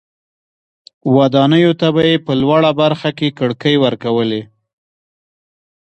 ودانیو ته به یې په لوړه برخه کې کړکۍ ورکولې.